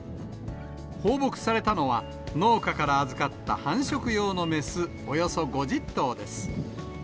放牧されたのは、農家から預かった繁殖用の雌およそ５０頭です。